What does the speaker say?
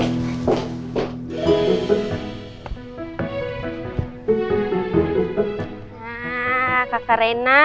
nah kak karena